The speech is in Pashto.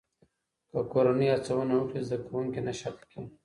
که کورنۍ هڅونه وکړي، زده کوونکی نه شاته کېږي.